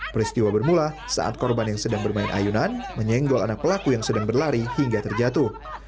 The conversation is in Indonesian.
peristiwa bermula saat korban yang sedang bermain ayunan menyenggol anak pelaku yang sedang berlari hingga terjatuh